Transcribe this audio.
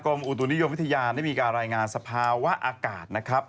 อุตุนิยมวิทยาได้มีการรายงานสภาวะอากาศนะครับ